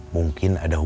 mungkin itu karena kamu